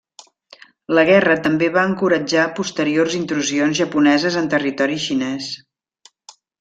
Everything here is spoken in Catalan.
La guerra també va encoratjar posteriors intrusions japoneses en territori xinès.